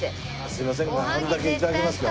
すいませんがあるだけ頂けますか？